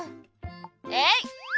えい！